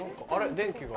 電気が。